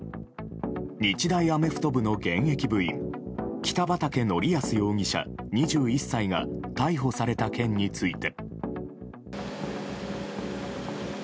日大アメフト部の現役部員北畠成文容疑者、２１歳が逮捕された件について。